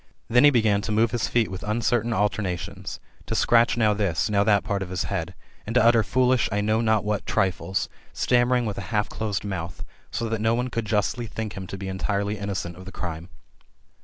Then he began to move his feet wiA uncertain alternations ; to scratch now this, now that pait of bk head; and to utter foolishly I know not what triflesi stammering with a half dosed mouth; so that no one could justly think him to be entitely innocent of the crime.